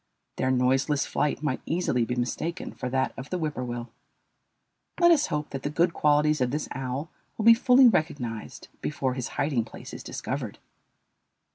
Their noiseless flight might easily be mistaken for that of the whippoorwill. Let us hope that the good qualities of this owl will be fully recognized before his hiding place is discovered.